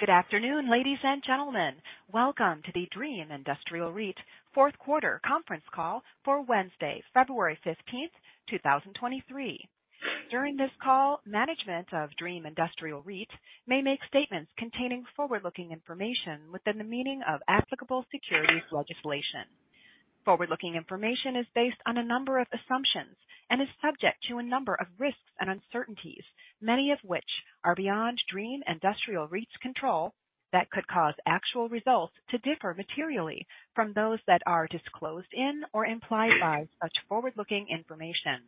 Good afternoon, ladies and gentlemen. Welcome to the Dream Industrial REIT fourth quarter conference call for Wednesday, February 15th, 2023. During this call, management of Dream Industrial REIT may make statements containing forward-looking information within the meaning of applicable securities legislation. Forward-looking information is based on a number of assumptions and is subject to a number of risks and uncertainties, many of which are beyond Dream Industrial REIT's control that could cause actual results to differ materially from those that are disclosed in or implied by such forward-looking information.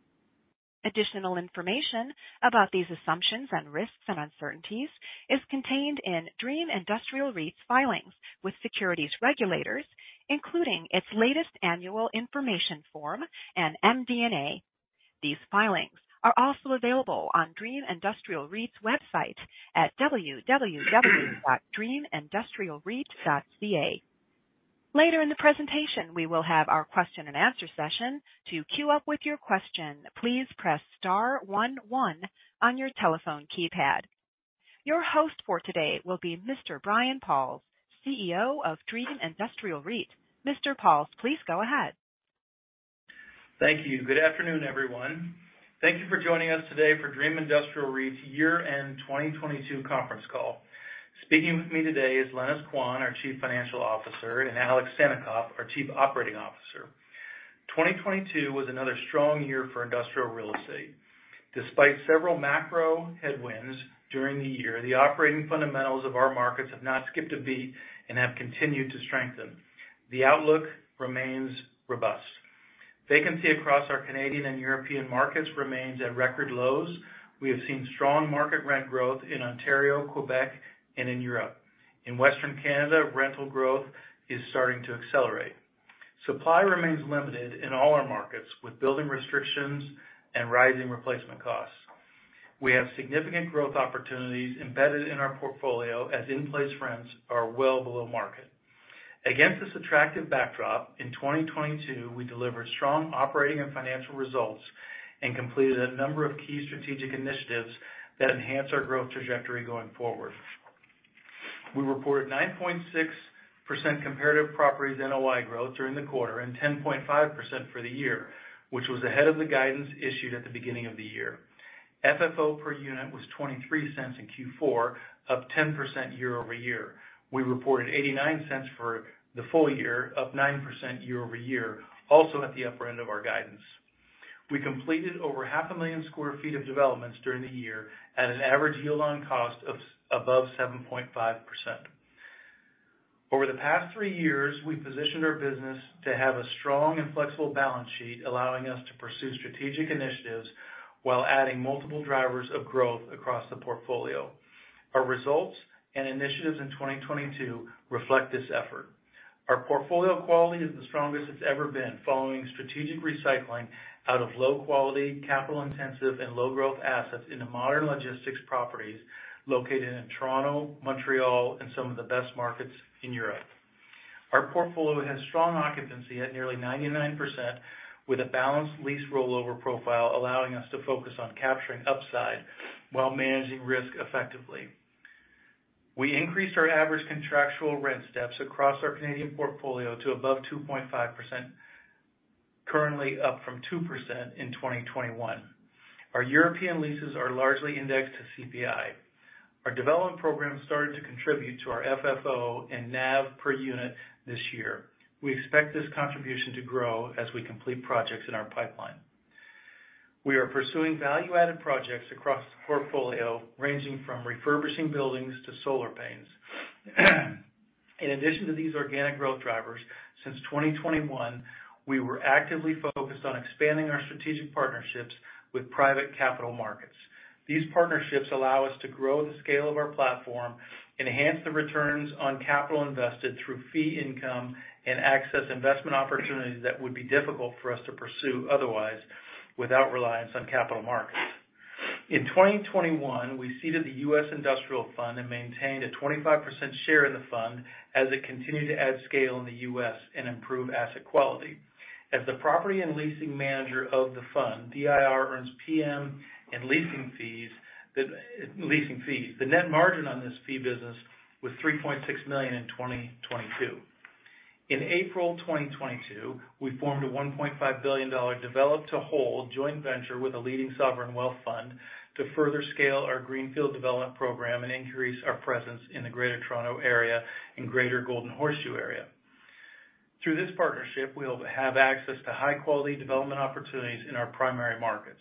Additional information about these assumptions and risks and uncertainties is contained in Dream Industrial REIT's filings with securities regulators, including its latest annual information form and MD&A. These filings are also available on Dream Industrial REIT's website at www.dreamindustrialreit.ca. Later in the presentation, we will have our question and answer session. To queue up with your question, please press star one one on your telephone keypad. Your host for today will be Mr. Brian Pauls, CEO of Dream Industrial REIT. Mr. Pauls, please go ahead. Thank you. Good afternoon, everyone. Thank you for joining us today for Dream Industrial REIT's year-end 2022 conference call. Speaking with me today is Lenis Quan, our Chief Financial Officer, and Alexander Sannikov, our Chief Operating Officer. 2022 was another strong year for industrial real estate. Despite several macro headwinds during the year, the operating fundamentals of our markets have not skipped a beat and have continued to strengthen. The outlook remains robust. Vacancy across our Canadian and European markets remains at record lows. We have seen strong market rent growth in Ontario, Quebec, and in Europe. In Western Canada, rental growth is starting to accelerate. Supply remains limited in all our markets, with building restrictions and rising replacement costs. We have significant growth opportunities embedded in our portfolio as in-place rents are well below market. Against this attractive backdrop, in 2022, we delivered strong operating and financial results and completed a number of key strategic initiatives that enhance our growth trajectory going forward. We reported 9.6% comparative properties NOI growth during the quarter and 10.5% for the year, which was ahead of the guidance issued at the beginning of the year. FFO per unit was $0.23 in Q4, up 10% year-over-year. We reported $0.89 for the full year, up 9% year-over-year, also at the upper end of our guidance. We completed over 500,000 sq ft of developments during the year at an average yield on cost of above 7.5%. Over the past three years, we've positioned our business to have a strong and flexible balance sheet, allowing us to pursue strategic initiatives while adding multiple drivers of growth across the portfolio. Our results and initiatives in 2022 reflect this effort. Our portfolio quality is the strongest it's ever been, following strategic recycling out of low-quality, capital-intensive, and low-growth assets into modern logistics properties located in Toronto, Montreal, and some of the best markets in Europe. Our portfolio has strong occupancy at nearly 99% with a balanced lease rollover profile, allowing us to focus on capturing upside while managing risk effectively. We increased our average contractual rent steps across our Canadian portfolio to above 2.5%, currently up from 2% in 2021. Our European leases are largely indexed to CPI. Our development program started to contribute to our FFO and NAV per unit this year. We expect this contribution to grow as we complete projects in our pipeline. We are pursuing value-added projects across the portfolio, ranging from refurbishing buildings to solar panels. In addition to these organic growth drivers, since 2021, we were actively focused on expanding our strategic partnerships with private capital markets. These partnerships allow us to grow the scale of our platform, enhance the returns on capital invested through fee income, and access investment opportunities that would be difficult for us to pursue otherwise without reliance on capital markets. In 2021, we ceded the Dream U.S. Industrial Fund and maintained a 25% share in the fund as it continued to add scale in the U.S. and improve asset quality. As the property and leasing manager of the fund, DIR earns PM and leasing fees, the leasing fees. The net margin on this fee business was 3.6 million in 2022. In April 2022, we formed a 1.5 billion dollar develop to hold joint venture with a leading sovereign wealth fund to further scale our greenfield development program and increase our presence in the Greater Toronto Area and Greater Golden Horseshoe Area. Through this partnership, we'll have access to high-quality development opportunities in our primary markets.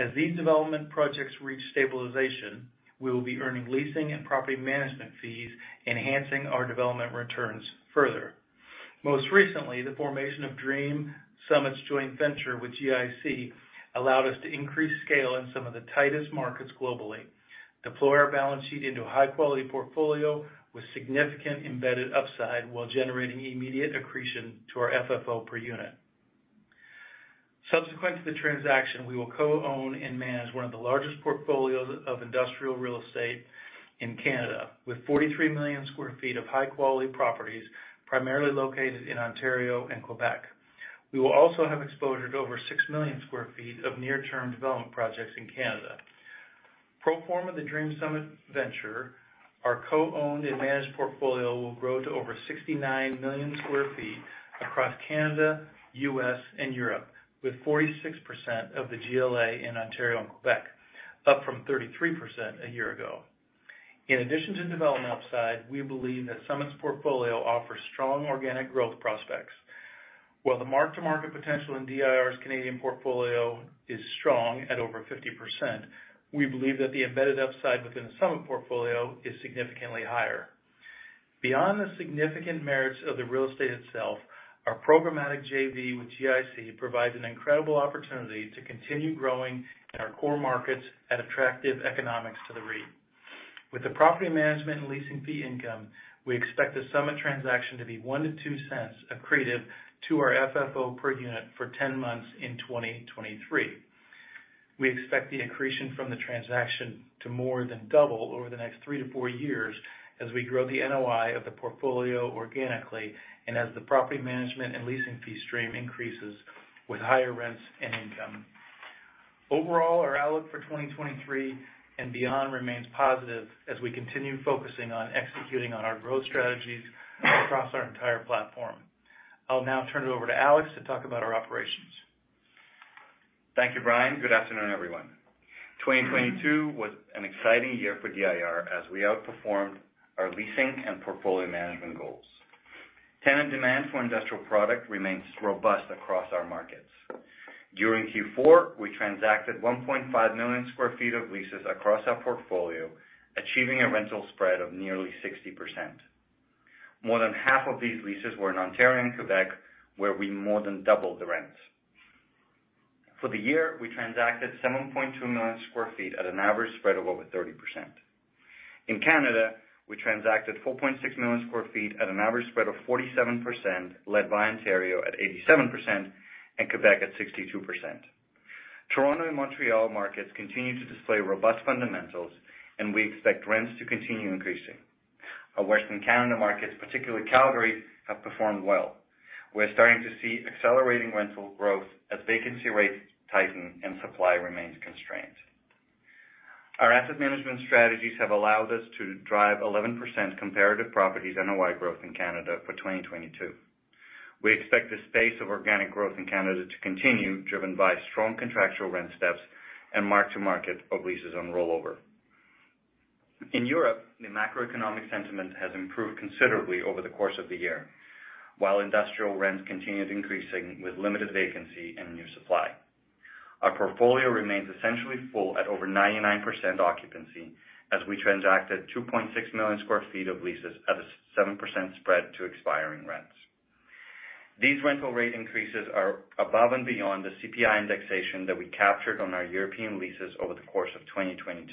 As these development projects reach stabilization, we will be earning leasing and property management fees, enhancing our development returns further. Most recently, the formation of Dream Summit joint venture with GIC allowed us to increase scale in some of the tightest markets globally, deploy our balance sheet into a high-quality portfolio with significant embedded upside while generating immediate accretion to our FFO per unit. Subsequent to the transaction, we will co-own and manage one of the largest portfolios of industrial real estate in Canada, with 43 million sq ft of high-quality properties, primarily located in Ontario and Quebec. We will also have exposure to over 6 million sq ft of near-term development projects in Canada. Pro forma the Dream Summit venture, our co-owned and managed portfolio will grow to over 69 million sq ft across Canada, U.S., and Europe, with 46% of the GLA in Ontario and Quebec, up from 33% a year ago. In addition to development upside, we believe that Summit's portfolio offers strong organic growth prospects. While the mark-to-market potential in DIR's Canadian portfolio is strong at over 50%, we believe that the embedded upside within the Summit portfolio is significantly higher. Beyond the significant merits of the real estate itself, our programmatic JV with GIC provides an incredible opportunity to continue growing in our core markets at attractive economics to the REIT. With the property management and leasing fee income, we expect the Summit transaction to be 0.01-0.02 accretive to our FFO per unit for 10 months in 2023. We expect the accretion from the transaction to more than double over the next 3-4 years as we grow the NOI of the portfolio organically and as the property management and leasing fee stream increases with higher rents and income. Overall, our outlook for 2023 and beyond remains positive as we continue focusing on executing on our growth strategies across our entire platform. I'll now turn it over to Alex to talk about our operations. Thank you, Brian. Good afternoon, everyone. 2022 was an exciting year for DIR as we outperformed our leasing and portfolio management goals. Tenant demand for industrial product remains robust across our markets. During Q4, we transacted 1.5 million sq ft of leases across our portfolio, achieving a rental spread of nearly 60%. More than half of these leases were in Ontario and Quebec, where we more than doubled the rents. For the year, we transacted 7.2 million sq ft at an average spread of over 30%. In Canada, we transacted 4.6 million sq ft at an average spread of 47%, led by Ontario at 87% and Quebec at 62%. Toronto and Montreal markets continue to display robust fundamentals, and we expect rents to continue increasing. Our Western Canada markets, particularly Calgary, have performed well. We're starting to see accelerating rental growth as vacancy rates tighten and supply remains constrained. Our asset management strategies have allowed us to drive 11% comparative properties NOI growth in Canada for 2022. We expect this pace of organic growth in Canada to continue, driven by strong contractual rent steps and mark-to-market of leases on rollover. In Europe, the macroeconomic sentiment has improved considerably over the course of the year, while industrial rents continued increasing with limited vacancy and new supply. Our portfolio remains essentially full at over 99% occupancy as we transacted 2.6 million sq ft of leases at a 7% spread to expiring rents. These rental rate increases are above and beyond the CPI indexation that we captured on our European leases over the course of 2022.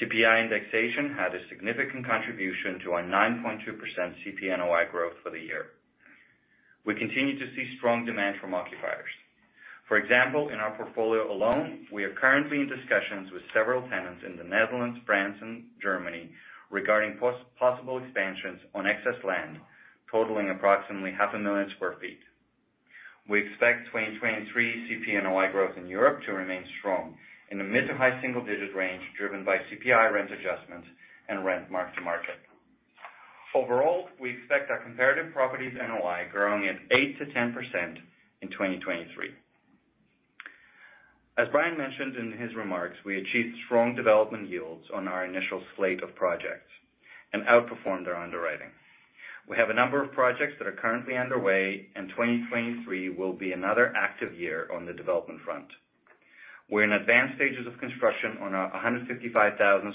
CPI indexation had a significant contribution to our 9.2% CPNOI growth for the year. We continue to see strong demand from occupiers. For example, in our portfolio alone, we are currently in discussions with several tenants in the Netherlands, France, and Germany regarding possible expansions on excess land, totaling approximately half a million sq ft. We expect 2023 CPNOI growth in Europe to remain strong in the mid-to-high single-digit range, driven by CPI rent adjustments and rent mark-to-market. Overall, we expect our comparative properties NOI growing at 8%-10% in 2023. As Brian mentioned in his remarks, we achieved strong development yields on our initial slate of projects and outperformed our underwriting. We have a number of projects that are currently underway, and 2023 will be another active year on the development front. We're in advanced stages of construction on our 155,000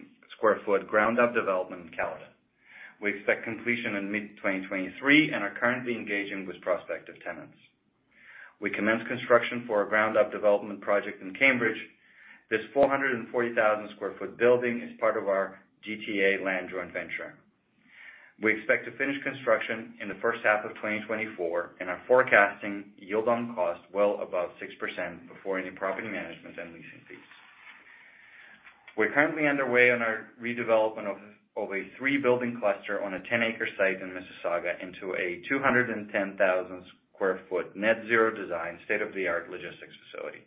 sq ft ground-up development in Caledon. We expect completion in mid-2023 and are currently engaging with prospective tenants. We commenced construction for a ground-up development project in Cambridge. This 440,000 sq ft building is part of our GTA land joint venture. We expect to finish construction in the first half of 2024 and are forecasting yield on cost well above 6% before any property management and leasing fees. We're currently underway on our redevelopment of a three-building cluster on a 10-acre site in Mississauga into a 210,000 sq ft net zero design, state-of-the-art logistics facility.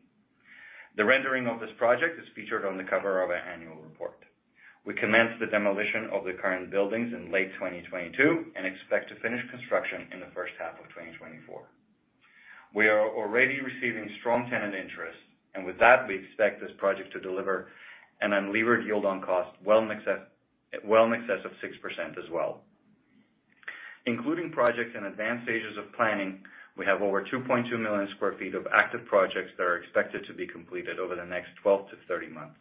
The rendering of this project is featured on the cover of our annual report. We commenced the demolition of the current buildings in late 2022 and expect to finish construction in the first half of 2024. We are already receiving strong tenant interest. With that, we expect this project to deliver an unlevered yield on cost well in excess of 6% as well. Including projects in advanced stages of planning, we have over 2.2 million sq ft of active projects that are expected to be completed over the next 12-30 months.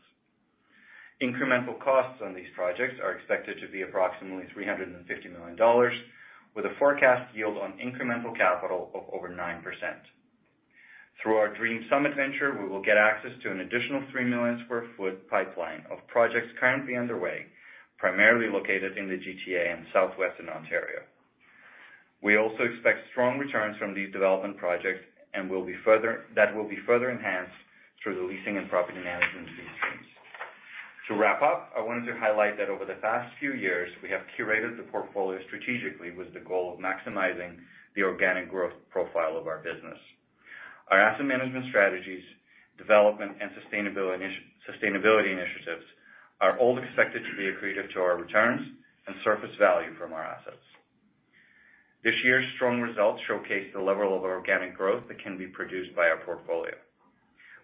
Incremental costs on these projects are expected to be approximately 350 million dollars, with a forecast yield on incremental capital of over 9%. Through our Dream Summit venture, we will get access to an additional 3 million sq ft pipeline of projects currently underway, primarily located in the GTA and Southwestern Ontario. We also expect strong returns from these development projects, that will be further enhanced through the leasing and property management fee stream. To wrap up, I wanted to highlight that over the past few years, we have curated the portfolio strategically with the goal of maximizing the organic growth profile of our business. Our asset management strategies, development and sustainability initiatives are all expected to be accretive to our returns and surface value from our assets. This year's strong results showcase the level of organic growth that can be produced by our portfolio.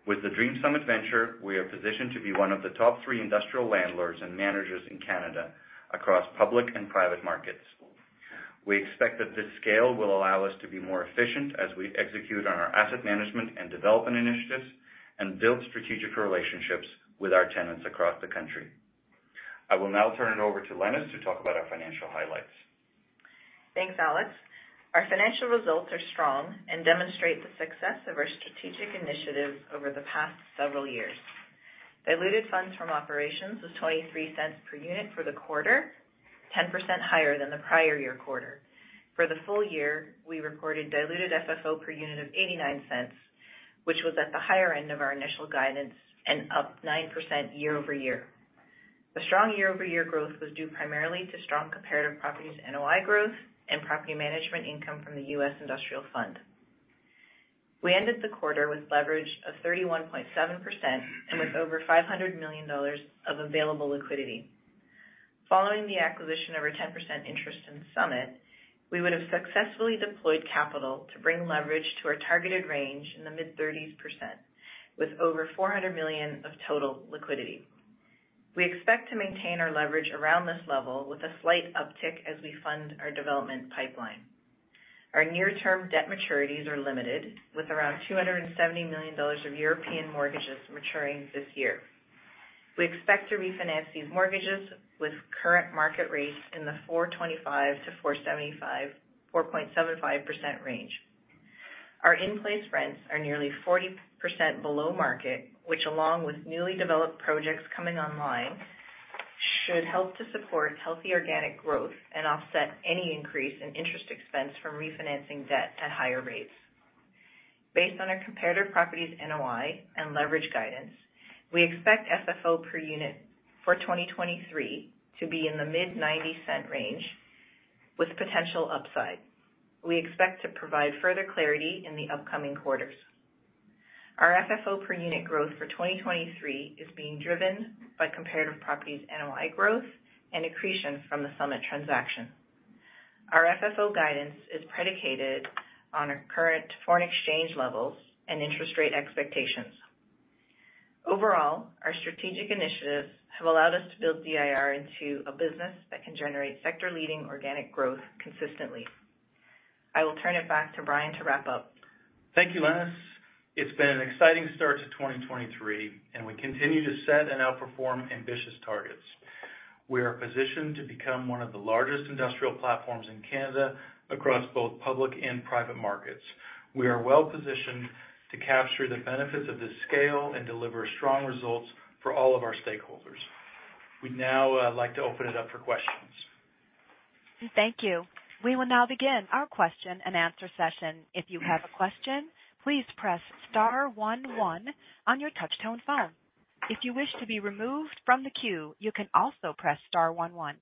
With the Dream Summit venture, we are positioned to be one of the top three industrial landlords and managers in Canada across public and private markets. We expect that this scale will allow us to be more efficient as we execute on our asset management and development initiatives and build strategic relationships with our tenants across the country. I will now turn it over to Lenis to talk about our financial highlights. Thanks, Alex. Our financial results are strong and demonstrate the success of our strategic initiative over the past several years. Diluted funds from operations was 0.23 per unit for the quarter, 10% higher than the prior year quarter. For the full year, we recorded diluted FFO per unit of 0.89, which was at the higher end of our initial guidance and up 9% year-over-year. The strong year-over-year growth was due primarily to strong comparative properties NOI growth and property management income from the U.S. Industrial Fund. We ended the quarter with leverage of 31.7% and with over 500 million dollars of available liquidity. Following the acquisition of our 10% interest in Summit, we would have successfully deployed capital to bring leverage to our targeted range in the mid-30s% with over 400 million of total liquidity. We expect to maintain our leverage around this level with a slight uptick as we fund our development pipeline. Our near-term debt maturities are limited, with around EUR 270 million of European mortgages maturing this year. We expect to refinance these mortgages with current market rates in the 4.25%-4.75% range. Our in-place rents are nearly 40% below market, which along with newly developed projects coming online, should help to support healthy organic growth and offset any increase in interest expense from refinancing debt at higher rates. Based on our comparator properties NOI and leverage guidance, we expect FFO per unit for 2023 to be in the mid CAD 0.90 range with potential upside. We expect to provide further clarity in the upcoming quarters. Our FFO per unit growth for 2023 is being driven by comparative properties NOI growth and accretion from the Summit transaction. Our FFO guidance is predicated on our current foreign exchange levels and interest rate expectations. Overall, our strategic initiatives have allowed us to build DIR into a business that can generate sector-leading organic growth consistently. I will turn it back to Brian to wrap up. Thank you, Lenis. It's been an exciting start to 2023. We continue to set and outperform ambitious targets. We are positioned to become one of the largest industrial platforms in Canada across both public and private markets. We are well-positioned to capture the benefits of this scale and deliver strong results for all of our stakeholders. We'd now like to open it up for questions. Thank you. We will now begin our question-and-answer session. If you have a question, please press star one one on your touchtone phone. If you wish to be removed from the queue, you can also press star one one.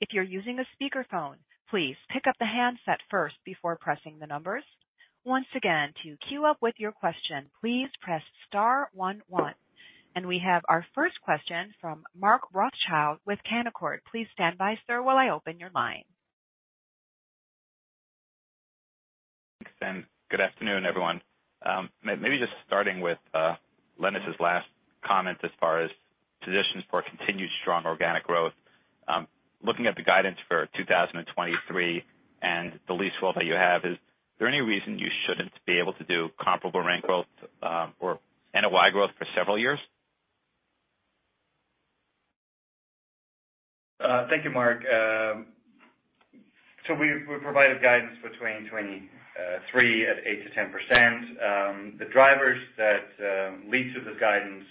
If you're using a speakerphone, please pick up the handset first before pressing the numbers. Once again, to queue up with your question, please press star one one. We have our first question from Mark Rothschild with Canaccord. Please stand by, sir, while I open your line. Thanks, good afternoon, everyone. Maybe just starting with Lenis's last comment as far as positions for continued strong organic growth. Looking at the guidance for 2023 and the lease flow that you have, is there any reason you shouldn't be able to do comparable rent growth, or NOI growth for several years? Thank you, Mark. We provided guidance for 2023 at 8%-10%. The drivers that lead to the guidance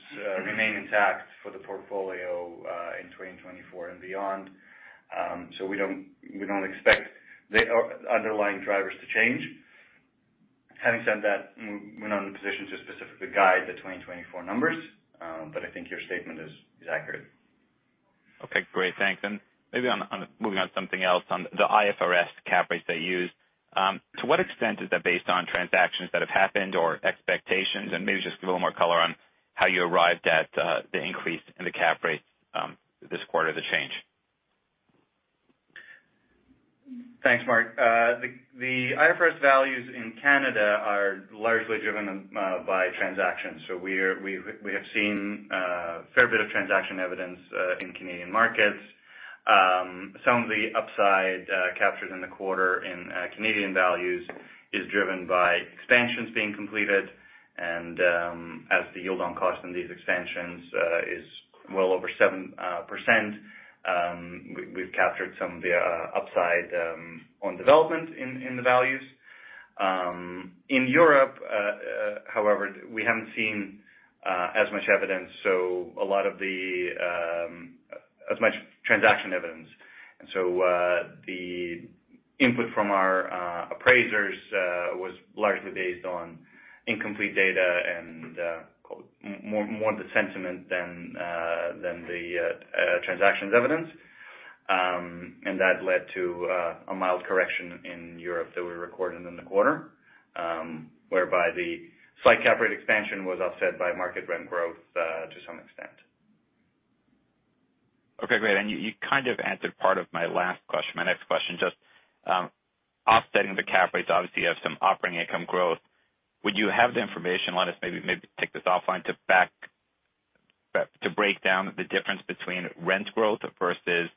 remain intact for the portfolio in 2024 and beyond. We don't expect the underlying drivers to change. Having said that, we're not in a position to specifically guide the 2024 numbers. I think your statement is accurate. Okay, great. Thanks. And maybe moving on to something else, on the IFRS cap rates that you use, to what extent is that based on transactions that have happened or expectations? And maybe just a little more color on how you arrived at the increase in the cap rate, this quarter, the change. Thanks, Mark. The IFRS values in Canada are largely driven by transactions. We have seen a fair bit of transaction evidence in Canadian markets. Some of the upside captured in the quarter in Canadian values is driven by expansions being completed and as the yield on cost in these expansions is well over 7%, we've captured some of the upside on development in the values. In Europe, however, we haven't seen as much evidence, as much transaction evidence. The input from our appraisers was largely based on incomplete data and more the sentiment than the transactions evidence. That led to a mild correction in Europe that we recorded in the quarter, whereby the slight cap rate expansion was offset by market rent growth to some extent. Okay, great. You kind of answered part of my last question, my next question just, offsetting the cap rates, obviously you have some operating income growth. Would you have the information, let us maybe take this offline to break down the difference between rent growth versus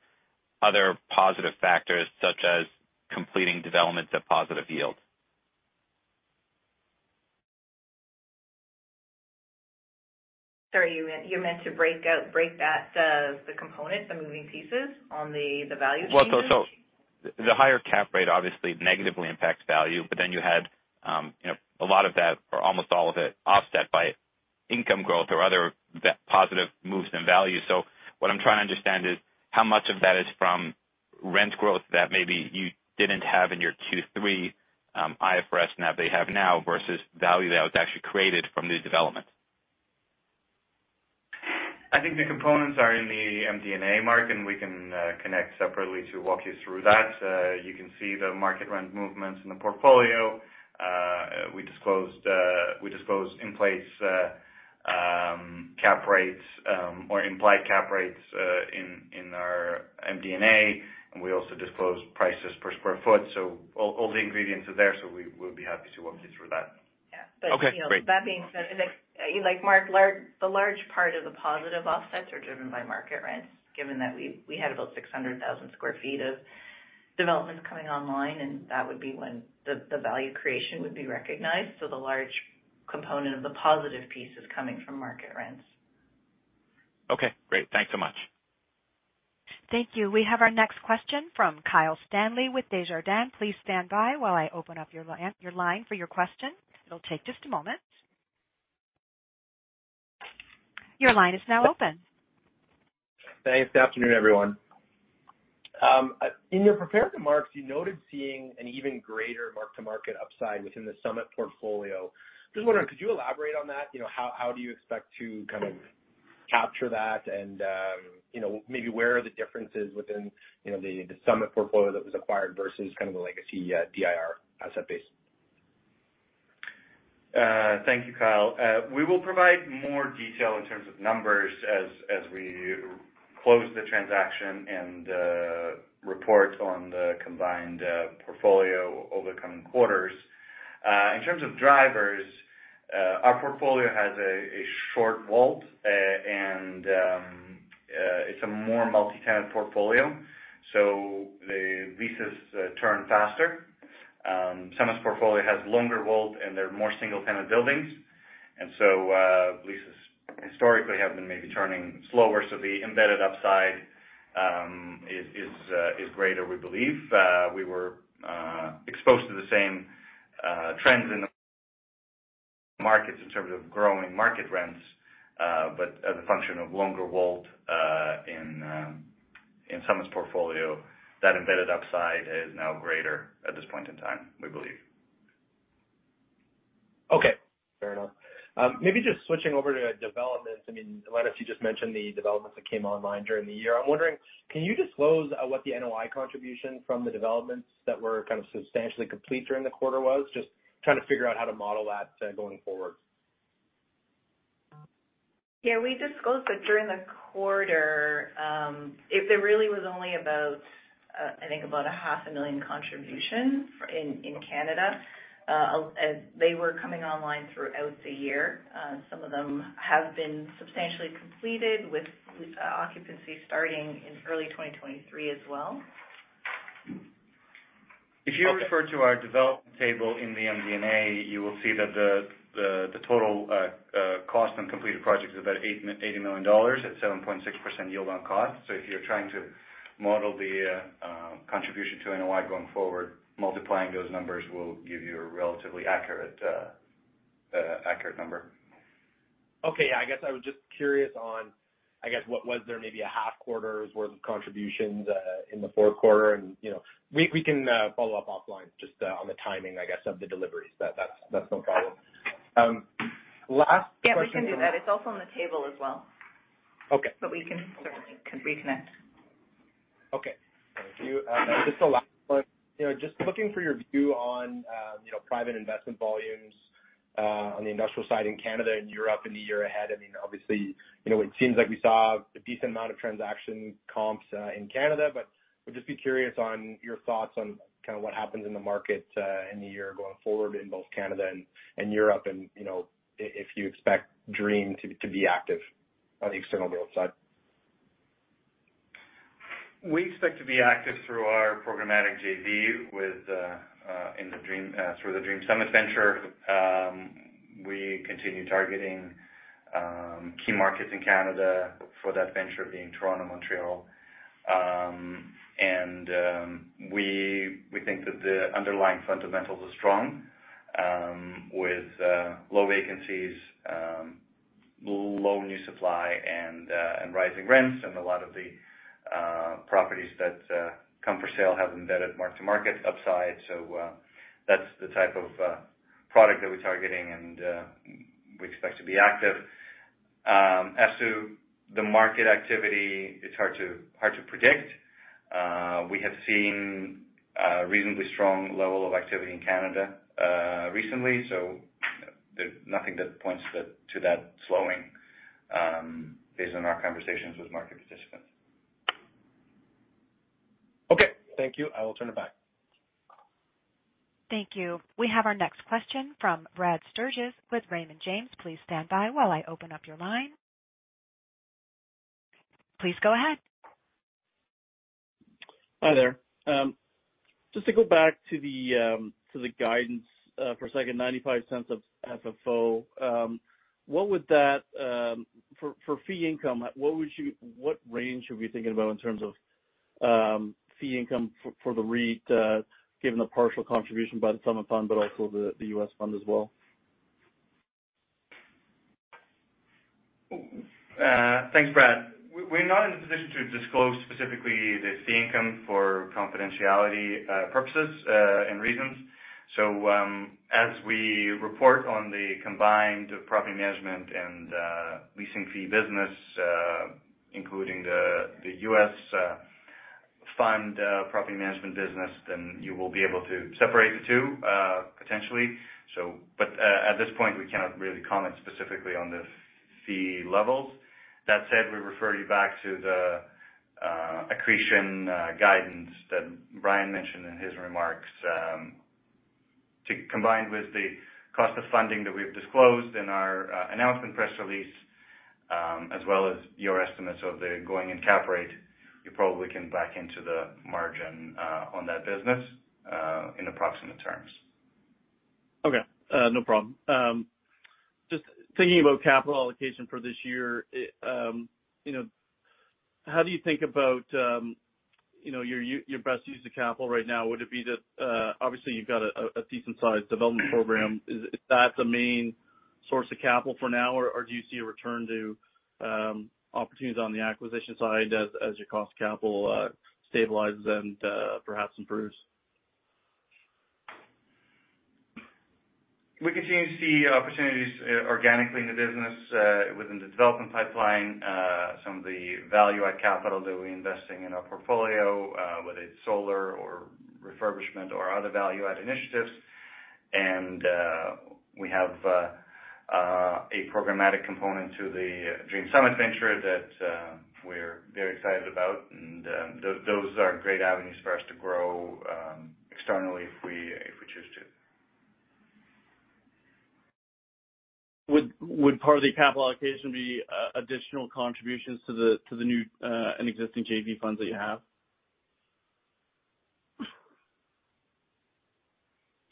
other positive factors, such as completing developments of positive yield? Sorry, you meant to break that, the components, the moving pieces on the value changes? The higher cap rate obviously negatively impacts value. You had, you know, a lot of that or almost all of it offset by income growth or other positive moves in value. What I'm trying to understand is how much of that is from rent growth that maybe you didn't have in your Q3, IFRS NAV they have now, versus value that was actually created from new developments? I think the components are in the MD&A, Mark, we can connect separately to walk you through that. You can see the market rent movements in the portfolio. We disclosed, we disclosed in place cap rates, or implied cap rates, in our MD&A, and we also disclosed prices per square foot. All the ingredients are there, so we'll be happy to walk you through that. Yeah. Okay, great. You know, that being said, like, Mark, the large part of the positive offsets are driven by market rents, given that we had about 600,000 sq ft of developments coming online, and that would be when the value creation would be recognized. The large component of the positive piece is coming from market rents. Okay, great. Thanks so much. Thank you. We have our next question from Kyle Stanley with Desjardins. Please stand by while I open up your line for your question. It'll take just a moment. Your line is now open. Thanks. Good afternoon, everyone. In your prepared remarks, you noted seeing an even greater mark-to-market upside within the Summit portfolio. Just wondering, could you elaborate on that? You know, how do you expect to kind of capture that and, you know, maybe where are the differences within, you know, the Summit portfolio that was acquired versus kind of the legacy DIR asset base? Thank you, Kyle. We will provide more detail in terms of numbers as we close the transaction and report on the combined portfolio over the coming quarters. In terms of drivers, our portfolio has a short WALT and it's a more multi-tenant portfolio, so the leases turn faster. Summit's portfolio has longer WALT, and they're more single-tenant buildings. Leases historically have been maybe turning slower, so the embedded upside is greater, we believe. We were exposed to the same trends in the markets in terms of growing market rents. As a function of longer WALT in Summit's portfolio, that embedded upside is now greater at this point in time, we believe. Okay. Fair enough. I mean, maybe just switching over to developments. Lenis, you just mentioned the developments that came online during the year. I'm wondering, can you disclose what the NOI contribution from the developments that were kind of substantially complete during the quarter was? Just trying to figure out how to model that going forward. We disclosed that during the quarter, it really was only about, I think about a half a million contribution for in Canada. They were coming online throughout the year. Some of them have been substantially completed with occupancy starting in early 2023 as well. If you refer to our development table in the MD&A, you will see that the total cost on completed projects is about 80 million dollars at 7.6% yield on cost. If you're trying to model the contribution to NOI going forward, multiplying those numbers will give you a relatively accurate accurate number. Okay. Yeah. I guess I was just curious on, I guess, what was there maybe a half quarter's worth of contributions in the fourth quarter and, you know. We can follow up offline just on the timing, I guess, of the deliveries. That's no problem. Last question- Yeah, we can do that. It's also on the table as well. Okay. We can certainly connect. Okay. Thank you. Just the last one. You know, just looking for your view on, you know, private investment volumes, on the industrial side in Canada and Europe in the year ahead. I mean, obviously, you know, it seems like we saw a decent amount of transaction comps, in Canada, but would just be curious on your thoughts on kind of what happens in the market, in the year going forward in both Canada and Europe and, you know, if you expect Dream to be active on the external build side? We expect to be active through our programmatic JV with the Dream Summit Venture. We continue targeting key markets in Canada for that venture being Toronto, Montreal. We think that the underlying fundamentals are strong with low vacancies, low new supply and rising rents and a lot of the properties that come for sale have embedded mark-to-market upside. That's the type of product that we're targeting and we expect to be active. As to the market activity, it's hard to predict. We have seen a reasonably strong level of activity in Canada recently, there's nothing that points to that slowing based on our conversations with market participants. Okay. Thank you. I will turn it back. Thank you. We have our next question from Brad Sturges with Raymond James. Please stand by while I open up your line. Please go ahead. Hi there. Just to go back to the guidance for a second, 0.95 of FFO. What would that? For fee income, what range are we thinking about in terms of fee income for the REIT given the partial contribution by the Summit fund, but also the U.S. fund as well? Thanks, Brad. We're not in a position to disclose specifically the fee income for confidentiality purposes and reasons. As we report on the combined property management and leasing fee business, including the U.S. fund property management business, then you will be able to separate the two potentially. At this point, we cannot really comment specifically on the fee levels. That said, we refer you back to the accretion guidance that Brian mentioned in his remarks, to combine with the cost of funding that we've disclosed in our announcement press release, as well as your estimates of the going and cap rate, you probably can back into the margin on that business in approximate terms. Okay, no problem. Just thinking about capital allocation for this year, you know, how do you think about, you know, your best use of capital right now? Would it be that, obviously you've got a decent-sized development program? Is that the main source of capital for now, or do you see a return to opportunities on the acquisition side as your cost of capital stabilizes and perhaps improves? We continue to see opportunities organically in the business within the development pipeline, some of the value add capital that we're investing in our portfolio, whether it's solar or refurbishment or other value add initiatives. We have a programmatic component to the Dream Summit venture that we're very excited about. Those are great avenues for us to grow externally if we choose to. Would part of the capital allocation be additional contributions to the new and existing JV funds that you have?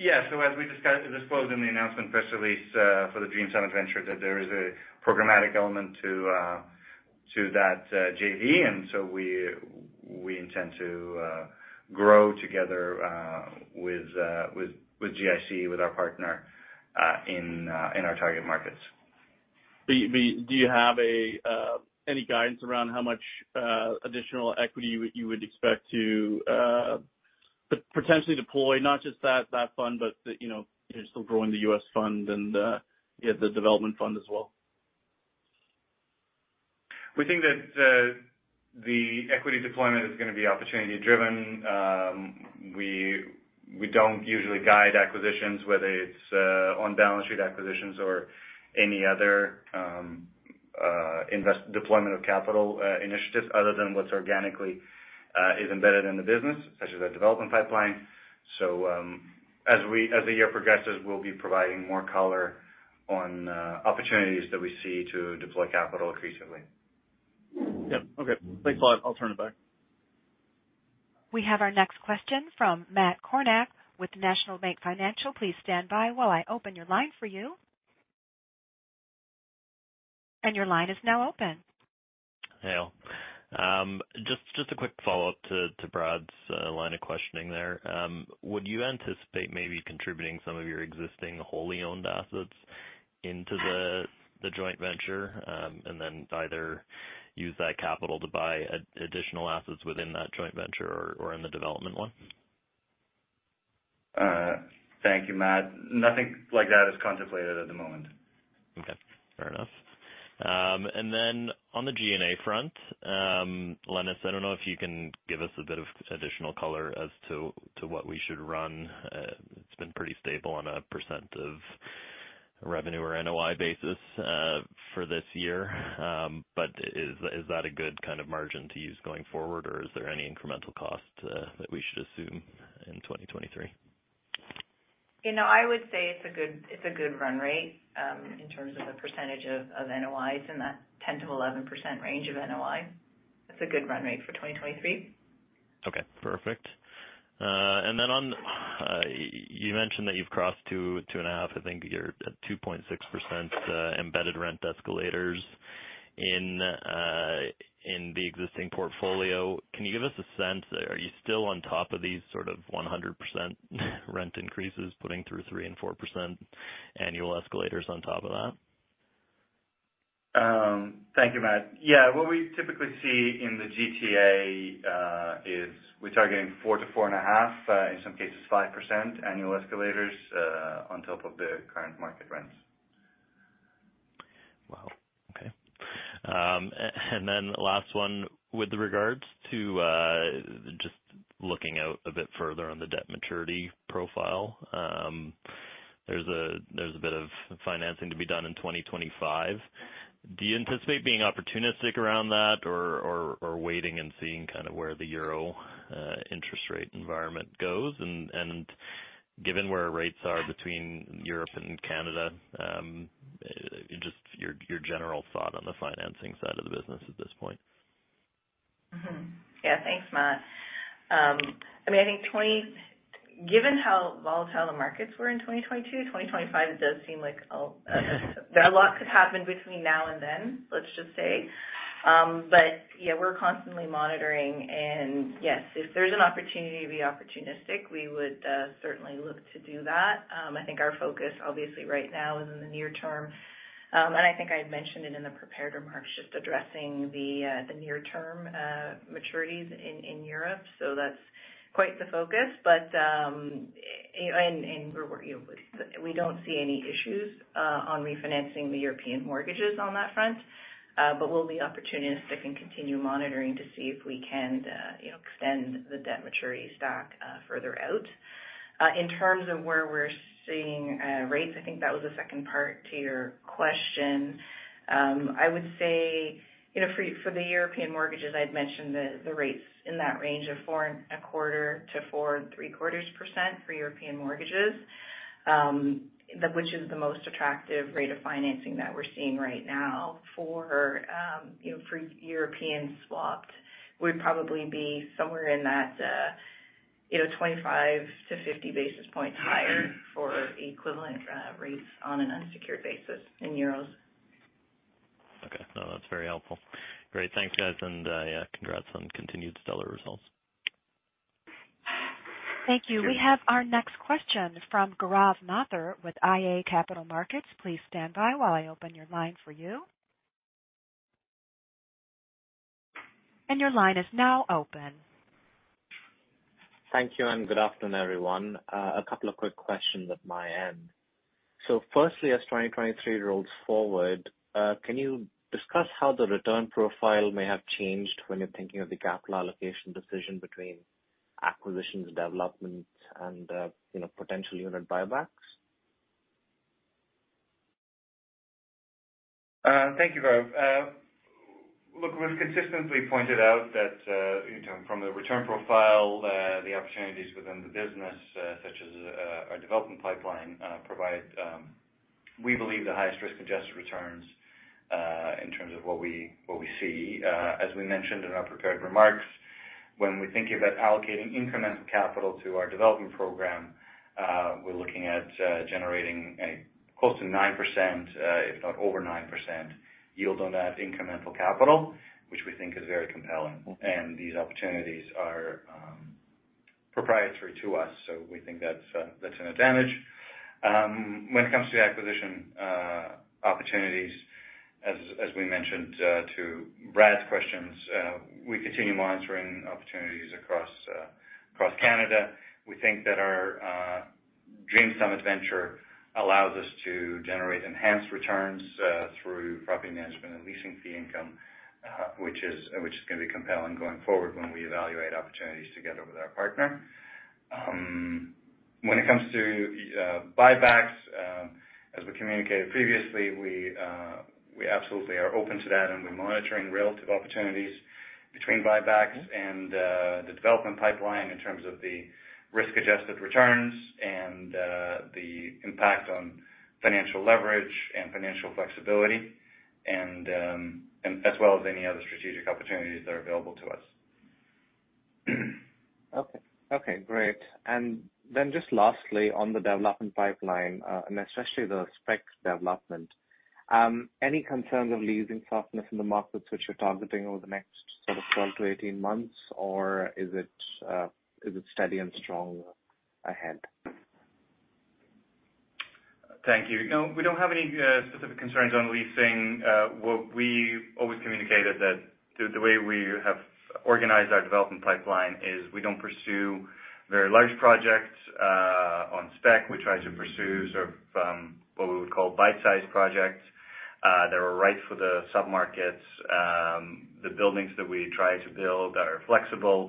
As we discussed, disclosed in the announcement press release, for the Dream Summit, that there is a programmatic element to that JV. We intend to grow together with GIC, with our partner, in our target markets. Do you have any guidance around how much additional equity you would expect to potentially deploy, not just that fund, but, you know, you're still growing the U.S. fund and the development fund as well? We think that the equity deployment is gonna be opportunity driven. We don't usually guide acquisitions, whether it's on balance sheet acquisitions or any other deployment of capital initiatives other than what's organically is embedded in the business, such as our development pipeline. As the year progresses, we'll be providing more color on opportunities that we see to deploy capital increasingly. Yeah. Okay. Thanks a lot. I'll turn it back. We have our next question from Matt Kornack with National Bank Financial. Please stand by while I open your line for you. Your line is now open. Hey, all. Just a quick follow-up to Brad's line of questioning there. Would you anticipate maybe contributing some of your existing wholly owned assets into the joint venture, and then either use that capital to buy additional assets within that joint venture or in the development one? Thank you, Matt. Nothing like that is contemplated at the moment. Okay, fair enough. Then on the G&A front, Lenis, I don't know if you can give us a bit of additional color as to what we should run. It's been pretty stable on a percentage of revenue or NOI basis for this year. Is that a good kind of margin to use going forward, or is there any incremental cost that we should assume in 2023? You know, I would say it's a good run rate in terms of the percentage of NOI. It's in that 10%-11% range of NOI. It's a good run rate for 2023. Okay, perfect. Then on, you mentioned that you've crossed 2.5. I think you're at 2.6% embedded rent escalators in the existing portfolio. Can you give us a sense, are you still on top of these sort of 100% rent increases, putting through 3% and 4% annual escalators on top of that? Thank you, Matt. What we typically see in the GTA, is we're targeting 4%-4.5%, in some cases 5% annual escalators, on top of the current market rents. Wow. Okay. And then last one. With regards to, just looking out a bit further on the debt maturity profile, there's a bit of financing to be done in 2025. Do you anticipate being opportunistic around that or waiting and seeing kind of where the EUR interest rate environment goes? Given where rates are between Europe and Canada, just your general thought on the financing side of the business at this point. Yeah. Thanks, Matt. I mean, I think Given how volatile the markets were in 2022, 2025 does seem like a lot could happen between now and then, let's just say. Yeah, we're constantly monitoring. Yes, if there's an opportunity to be opportunistic, we would certainly look to do that. I think our focus obviously right now is in the near term. I think I'd mentioned it in the prepared remarks, just addressing the near term maturities in Europe. That's quite the focus. We don't see any issues on refinancing the European mortgages on that front. We'll be opportunistic and continue monitoring to see if we can, you know, extend the debt maturity stock further out. In terms of where we're seeing rates, I think that was the second part to your question. I would say, you know, for the European mortgages, I'd mentioned the rates in that range of 4.25%-4.75% for European mortgages, which is the most attractive rate of financing that we're seeing right now. For, you know, for European swapped would probably be somewhere in that, you know, 25-50 basis points higher for equivalent rates on an unsecured basis in euros. Okay. No, that's very helpful. Great. Thanks, guys. Yeah, congrats on continued stellar results. Thank you. We have our next question from Gaurav Mathur with iA Capital Markets. Please stand by while I open your line for you. Your line is now open. Thank you. Good afternoon, everyone. A couple of quick questions at my end. Firstly, as 2023 rolls forward, can you discuss how the return profile may have changed when you're thinking of the capital allocation decision between acquisitions, development, and, you know, potential unit buybacks? Thank you, Gaurav. Look, we've consistently pointed out that, you know, from the return profile, the opportunities within the business, such as our development pipeline, provide, we believe the highest risk-adjusted returns in terms of what we see. As we mentioned in our prepared remarks, when we think about allocating incremental capital to our development program, we're looking at generating a close to 9%, if not over 9% yield on that incremental capital, which we think is very compelling. These opportunities are proprietary to us, so we think that's an advantage. When it comes to acquisition opportunities, as we mentioned to Brad's questions, we continue monitoring opportunities across Canada. We think that our Dream Summits venture allows us to generate enhanced returns through property management and leasing fee income, which is gonna be compelling going forward when we evaluate opportunities together with our partner. When it comes to buybacks, as we communicated previously, we absolutely are open to that, and we're monitoring relative opportunities between buybacks and the development pipeline in terms of the risk-adjusted returns and the impact on financial leverage and financial flexibility as well as any other strategic opportunities that are available to us. Okay. Okay, great. Just lastly, on the development pipeline, and especially the specs development, any concerns of leasing softness in the markets which you're targeting over the next sort of 12-18 months, or is it steady and strong ahead? Thank you. No, we don't have any specific concerns on leasing. What we always communicated that the way we have organized our development pipeline is we don't pursue very large projects on spec. We try to pursue sort of what we would call bite-sized projects that are right for the sub-markets. The buildings that we try to build are flexible,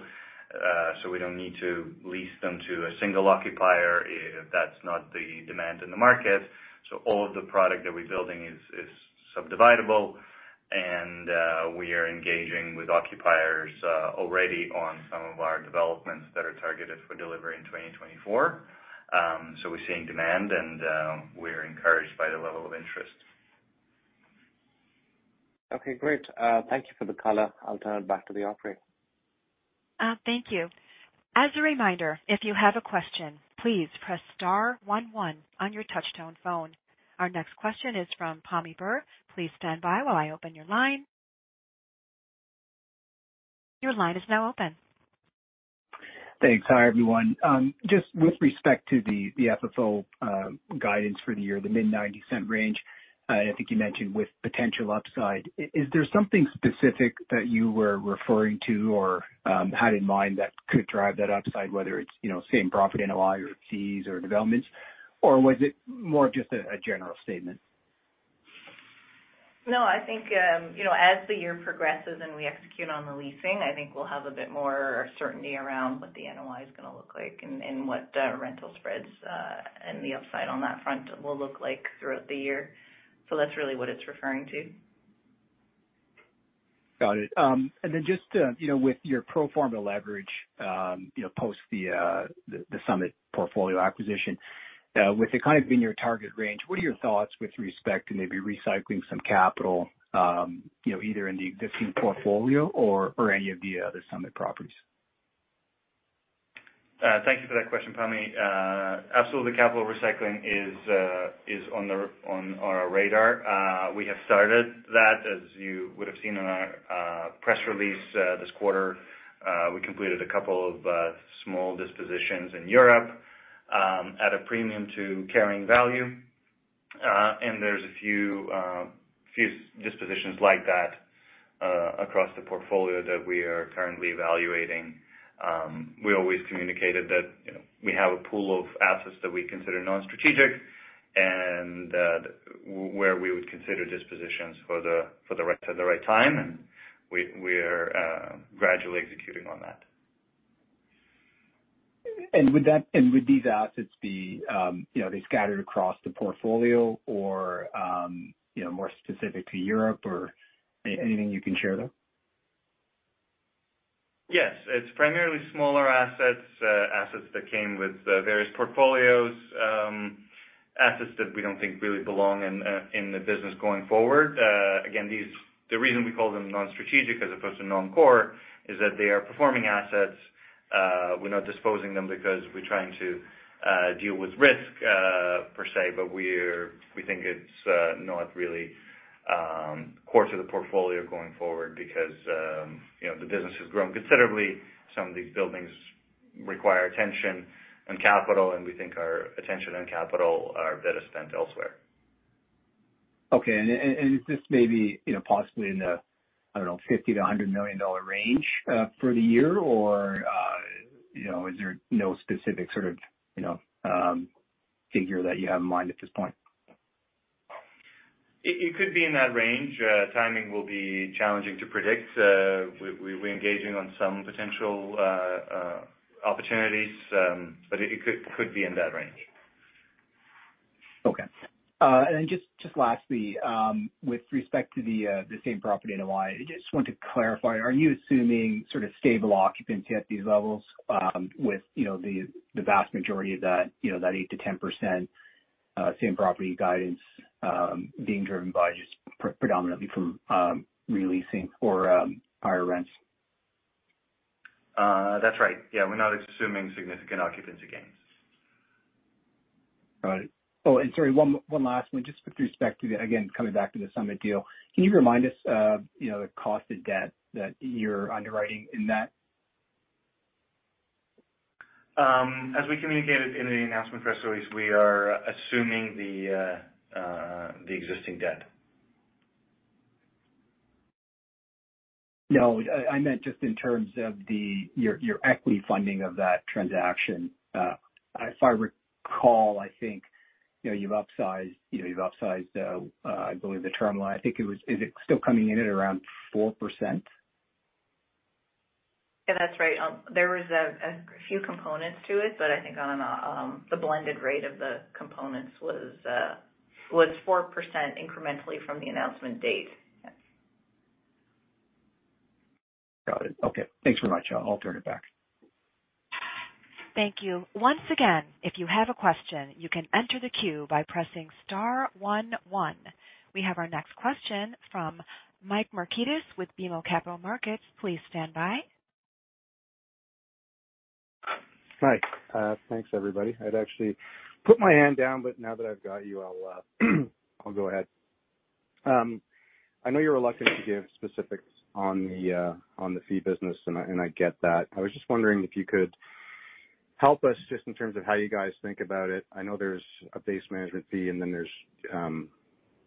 so we don't need to lease them to a single occupier if that's not the demand in the market. All of the product that we're building is sub-dividable, and we are engaging with occupiers already on some of our developments that are targeted for delivery in 2024. We're seeing demand, and we're encouraged by the level of interest. Okay, great. Thank you for the color. I'll turn it back to the operator. Thank you. As a reminder, if you have a question, please press star one one on your touchtone phone. Our next question is from Pammi Bir. Please stand by while I open your line. Your line is now open. Thanks. Hi, everyone. Just with respect to the FFO guidance for the year, the mid-CAD 0.90 range, I think you mentioned with potential upside. Is there something specific that you were referring to or had in mind that could drive that upside, whether it's, you know, same-property NOI or fees or developments, or was it more just a general statement? I think, you know, as the year progresses and we execute on the leasing, I think we'll have a bit more certainty around what the NOI is gonna look like and what rental spreads, and the upside on that front will look like throughout the year. That's really what it's referring to. Got it. Just to, you know, with your pro forma leverage, you know, post the Summit portfolio acquisition. With it kind of in your target range, what are your thoughts with respect to maybe recycling some capital, you know, either in the existing portfolio or any of the other Summit properties? Thank you for that question, Pammi. Absolutely capital recycling is on our radar. We have started that. As you would have seen in our press release this quarter, we completed a couple of small dispositions in Europe at a premium to carrying value. There's a few dispositions like that across the portfolio that we are currently evaluating. We always communicated that, you know, we have a pool of assets that we consider non-strategic and that where we would consider dispositions at the right time. We, we're gradually executing on that. would these assets be, you know, they're scattered across the portfolio or, you know, more specific to Europe or anything you can share there? Yes. It's primarily smaller assets that came with various portfolios. Assets that we don't think really belong in the business going forward. Again, the reason we call them non-strategic as opposed to non-core is that they are performing assets. We're not disposing them because we're trying to deal with risk per se, we think it's not really core to the portfolio going forward because, you know, the business has grown considerably. Some of these buildings require attention and capital, and we think our attention and capital are better spent elsewhere. Okay. Is this maybe, you know, possibly in the, I don't know, $50 million-$100 million dollar range for the year? You know, is there no specific sort of, you know, figure that you have in mind at this point? It could be in that range. Timing will be challenging to predict. We're engaging on some potential opportunities. It could be in that range. Okay. Just lastly, with respect to the same property NOI, I just want to clarify, are you assuming sort of stable occupancy at these levels, with, you know, the vast majority of that, you know, that 8%-10%, same-property guidance, being driven by just predominantly from re-leasing or higher rents? That's right. We're not assuming significant occupancy gains. Got it. Sorry, one last one. Just with respect to the again, coming back to the Summit deal, can you remind us of, you know, the cost of debt that you're underwriting in that? As we communicated in the announcement press release, we are assuming the existing debt. No, I meant just in terms of your equity funding of that transaction. If I recall, I think, you know, you've upsized, I believe the term loan. I think it was, is it still coming in at around 4%? Yeah, that's right. There was a few components to it, but I think on a the blended rate of the components was 4% incrementally from the announcement date. Yes. Got it. Okay. Thanks very much. I'll turn it back. Thank you. Once again, if you have a question, you can enter the queue by pressing star one. We have our next question from Mike Markidis with BMO Capital Markets. Please stand by. Hi. Thanks, everybody. I'd actually put my hand down, but now that I've got you, I'll go ahead. I know you're reluctant to give specifics on the fee business, and I get that. I was just wondering if you could help us just in terms of how you guys think about it. I know there's a base management fee, and then there's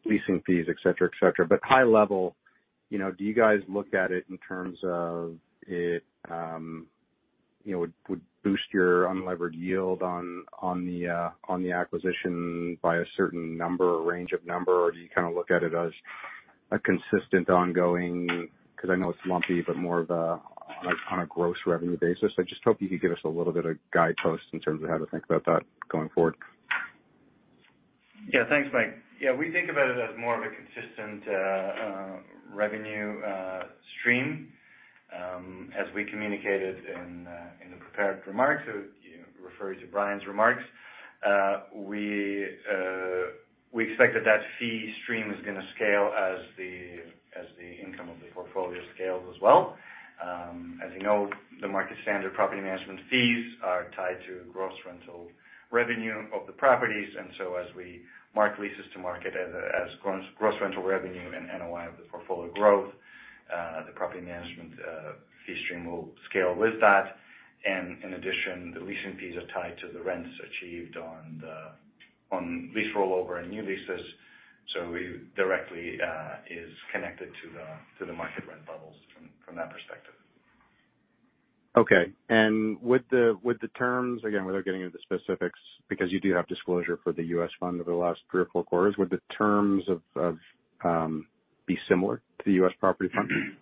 leasing fees, et cetera, et cetera. High level, you know, do you guys look at it in terms of it, you know, would boost your unlevered yield on the acquisition by a certain number or range of number? Do you kind of look at it as a consistent ongoing... 'cause I know it's lumpy, but more of a on a gross revenue basis. I just hope you could give us a little bit of guideposts in terms of how to think about that going forward. Yeah. Thanks, Mike. Yeah. We think about it as more of a consistent revenue stream. As we communicated in the prepared remarks, you know, refer you to Brian's remarks, we expect that fee stream is gonna scale as the income of the portfolio scales as well. As you know, the market standard property management fees are tied to gross rental revenue of the properties. As we mark leases to market as gross rental revenue and NOI of the portfolio growth, the property management fee stream will scale with that. In addition, the leasing fees are tied to the rents achieved on lease rollover and new leases. We directly is connected to the market rent levels from that perspective. Okay. Would the terms, again, without getting into specifics, because you do have disclosure for the U.S. fund over the last three or four quarters. Would the terms be similar to the U.S. property fund?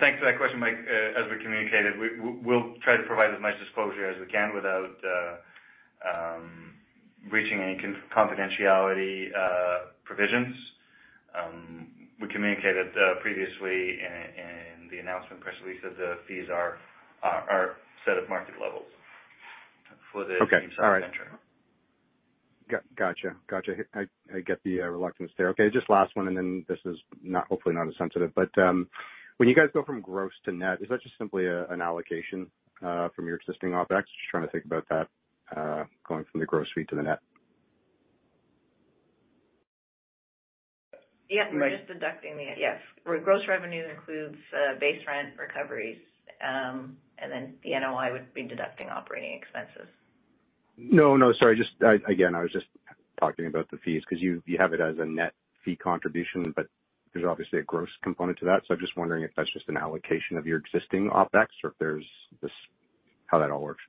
Thanks for that question, Mike. As we communicated, we'll try to provide as much disclosure as we can without breaching any confidentiality provisions. We communicated previously in the announcement press release that the fees are set at market levels for the... Okay. joint venture. Gotcha. Gotcha. I get the reluctance there. Okay, just last one. This is not, hopefully not as sensitive. When you guys go from gross to net, is that just simply an allocation from your existing OpEx? Just trying to think about that going from the gross fee to the net. Yeah. We're just deducting. Yes. Gross revenue includes base rent recoveries. The NOI would be deducting operating expenses. No, no. Sorry. Just, again, I was just talking about the fees because you have it as a net fee contribution, but there's obviously a gross component to that. I'm just wondering if that's just an allocation of your existing OpEx or if there's how that all works.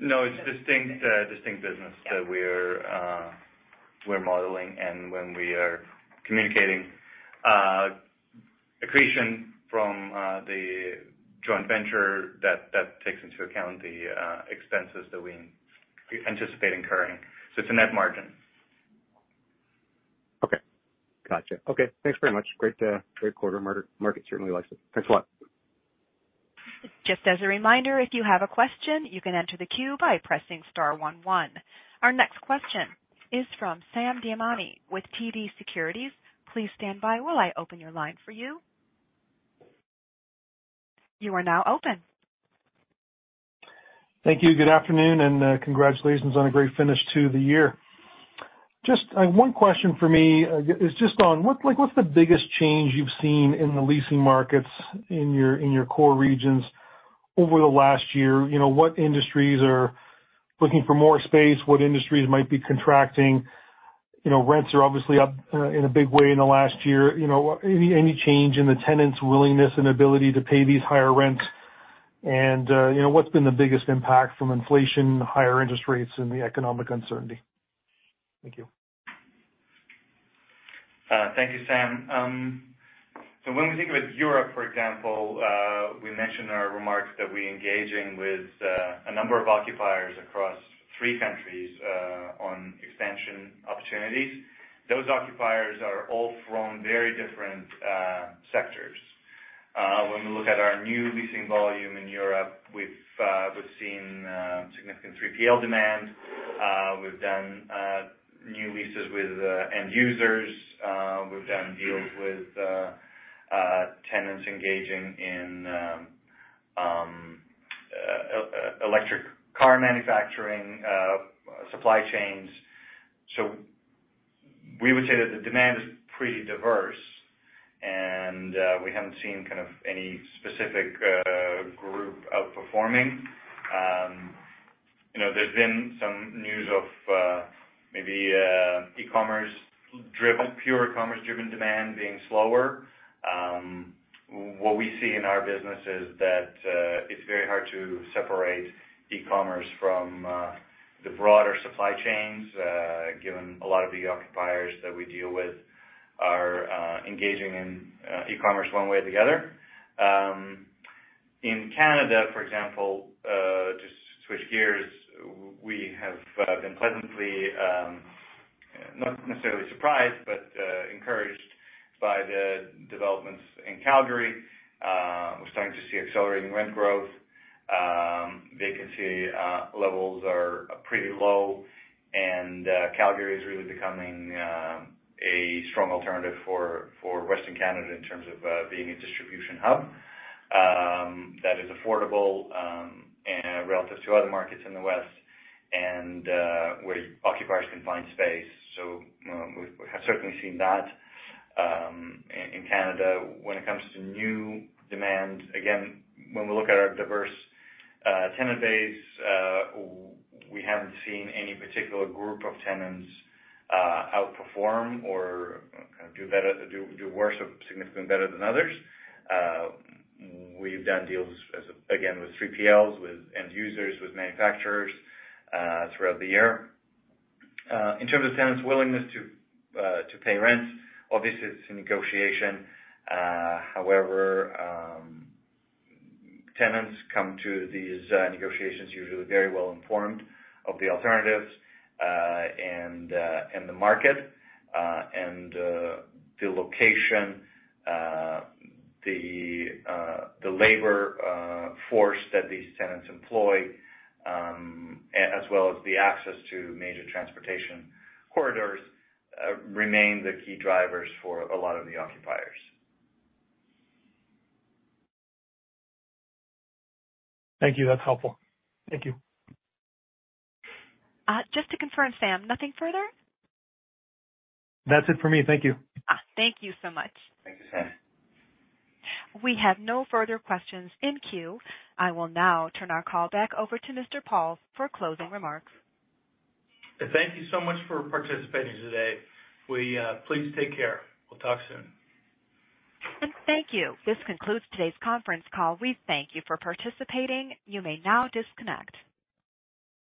No, it's distinct business that we're modeling. When we are communicating, accretion from the joint venture, that takes into account the expenses that we anticipate incurring. It's a net margin Okay. Gotcha. Okay, thanks very much. Great, great quarter. Market certainly likes it. Thanks a lot. Just as a reminder, if you have a question, you can enter the queue by pressing star one one. Our next question is from Sam Damiani with TD Securities. Please stand by while I open your line for you. You are now open. Thank you. Good afternoon, congratulations on a great finish to the year. Just, one question for me is just on like, what's the biggest change you've seen in the leasing markets in your core regions over the last year? You know, what industries are looking for more space? What industries might be contracting? You know, rents are obviously up in a big way in the last year. You know, any change in the tenants' willingness and ability to pay these higher rents? You know, what's been the biggest impact from inflation, higher interest rates, and the economic uncertainty? Thank you. Thank you, Sam. When we think about Europe, for example, we mentioned in our remarks that we're engaging with a number of occupiers across 3 countries on expansion opportunities. Those occupiers are all from very different sectors. When we look at our new leasing volume in Europe, we've seen significant 3PL demand. We've done new leases with end users. We've done deals with tenants engaging in electric car manufacturing supply chains. We would say that the demand is pretty diverse, and we haven't seen kind of any specific group outperforming. You know, there's been some news of maybe e-commerce driven, pure e-commerce driven demand being slower. What we see in our business is that it's very hard to separate e-commerce from the broader supply chains, given a lot of the occupiers that we deal with are engaging in e-commerce one way or the other. In Canada, for example, to switch gears, we have been pleasantly not necessarily surprised, but encouraged by the developments in Calgary. We're starting to see accelerating rent growth. Vacancy levels are pretty low. Calgary is really becoming a strong alternative for Western Canada in terms of being a distribution hub that is affordable relative to other markets in the West and where occupiers can find space. We have certainly seen that in Canada. When it comes to new demand, again, when we look at our diverse tenant base, we haven't seen any particular group of tenants outperform or do worse or significantly better than others. We've done deals as, again, with 3PLs, with end users, with manufacturers throughout the year. In terms of tenants' willingness to pay rent, obviously, it's a negotiation. However, tenants come to these negotiations usually very well informed of the alternatives, and and the market, and the location, the the labor force that these tenants employ, as well as the access to major transportation corridors, remain the key drivers for a lot of the occupiers. Thank you. That's helpful. Thank you. Just to confirm, Sam, nothing further? That's it for me. Thank you. Thank you so much. Thank you, Sam. We have no further questions in queue. I will now turn our call back over to Mr. Pauls for closing remarks. Thank you so much for participating today. Please take care. We'll talk soon. Thank you. This concludes today's conference call. We thank you for participating. You may now disconnect.